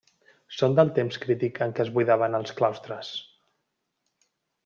Són del temps crític en què es buidaven els claustres.